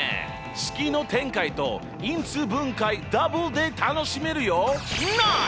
式の展開と因数分解ダブルで楽しめるよ！